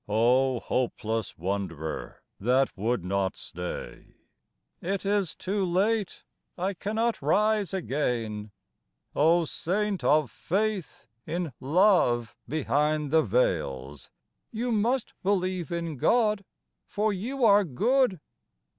O hopeless wanderer that would not stay, ("It is too late, I cannot rise again!") O saint of faith in love behind the veils, ("You must believe in God, for you are good!")